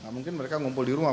mungkin mereka ngumpul di rumah